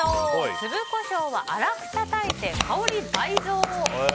粒コショウは粗くたたいて香り倍増！